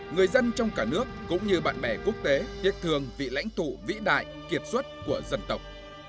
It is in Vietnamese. người dân trong cả nước cũng như bạn bè quốc tế thiết thường vị lãnh thụ vĩ đại kiệt xuất của dân tộc